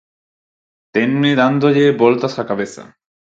tenme dándolle voltas á cabeza.